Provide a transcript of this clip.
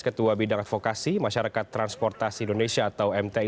ketua bidang advokasi masyarakat transportasi indonesia atau mti